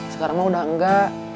sekarang mah udah enggak